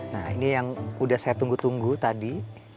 nah ini yang sudah saya tunggu tunggu tadi